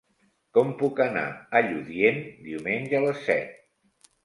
Com puc anar a Lludient diumenge a les set?